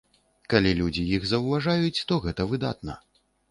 Калі людзі іх заўважаюць, то гэта выдатна.